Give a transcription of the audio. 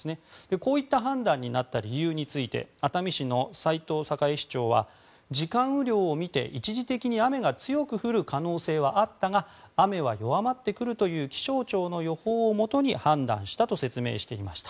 こういった判断になった理由について熱海市の齊藤栄市長は時間雨量を見て、一時的に雨が強く降る可能性はあったが雨は弱まってくるという気象庁の予報をもとに判断したと説明していました。